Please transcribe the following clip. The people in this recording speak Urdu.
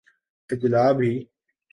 اجالا بھی۔